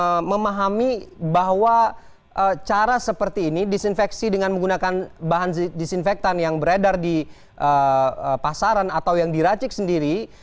kita memahami bahwa cara seperti ini disinfeksi dengan menggunakan bahan disinfektan yang beredar di pasaran atau yang diracik sendiri